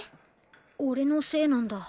オレのせいなんだ。